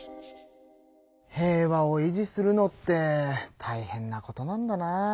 平和を維持するのってたいへんなことなんだなあ。